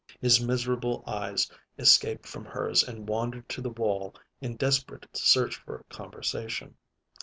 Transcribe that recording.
His miserable eyes escaped from hers and wandered to the wall in desperate search for conversation.